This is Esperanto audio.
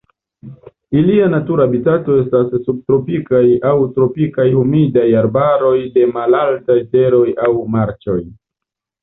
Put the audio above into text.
Ilia natura habitato estas subtropikaj aŭ tropikaj humidaj arbaroj de malaltaj teroj aŭ marĉoj.